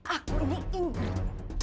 aku ini ingrid